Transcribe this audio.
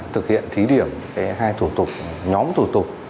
thực hiện thí điểm hai nhóm thủ tục